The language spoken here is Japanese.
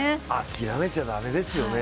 諦めちゃ駄目ですよね。